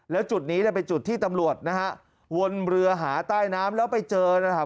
แล้วจุดนี้เป็นจุดที่ตำรวจนะฮะวนเรือหาใต้น้ำแล้วไปเจอนะครับ